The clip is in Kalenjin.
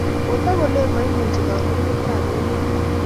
Ko tag kole maimuchi kandoindet ab emet